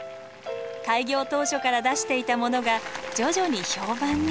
開業当初から出していたものが徐々に評判に。